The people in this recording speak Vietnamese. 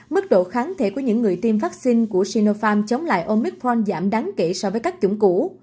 mức độ kháng thể của những người tiêm vaccine của sinopharm chống lại omicron giảm đáng kể so với các chủng cũ